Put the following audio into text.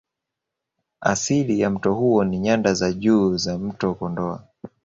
Asili ya mto huu ni Nyanda za Juu za mto Kondoa